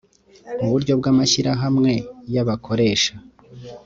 uburyo bw amashyirahamwe y abakoresha